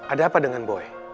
ada apa dengan boy